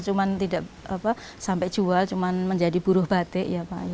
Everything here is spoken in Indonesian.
cuma tidak sampai jual cuma menjadi buruh batik